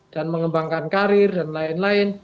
mengembangkan karir dan lain lain